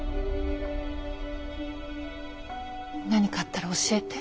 何かあったら教えて。